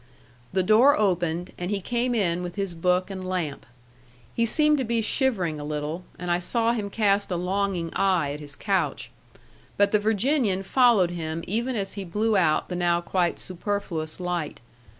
The door opened, and he came in with his book and lamp. He seemed to be shivering a little, and I saw him cast a longing eye at his couch. But the Virginian followed him even as he blew out the now quite superfluous light.